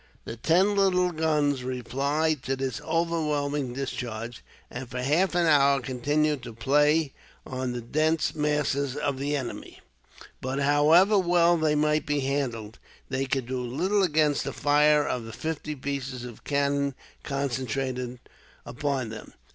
The ten little guns replied to this overwhelming discharge, and for half an hour continued to play on the dense masses of the enemy. But, however well they might be handled, they could do little against the fire of the fifty pieces of cannon, concentrated upon them.